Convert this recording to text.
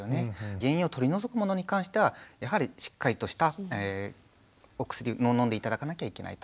原因を取り除くものに関してはやはりしっかりとしたお薬を飲んで頂かなきゃいけないと。